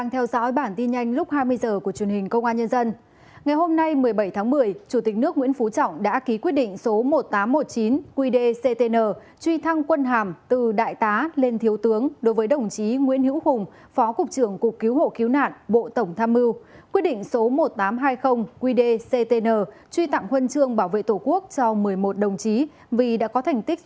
hãy đăng ký kênh để ủng hộ kênh của chúng mình nhé